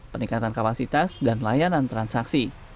peningkatan kapasitas dan layanan transaksi